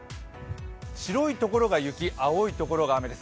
白いところが雪、青いところが雨です。